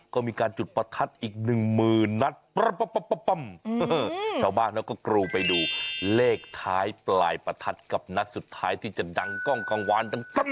ก็มีการจุดประทัดอีกหนึ่งหมื่นนัดปั้มชาวบ้านเขาก็กรูไปดูเลขท้ายปลายประทัดกับนัดสุดท้ายที่จะดังกล้องกลางวานดัง